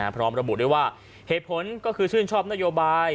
พร้อมระบุด้วยว่าเหตุผลก็คือชื่นชอบนโยบาย